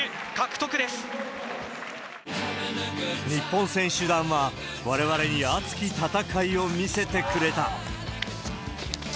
日本選手団は、われわれに熱き戦いを見せてくれた。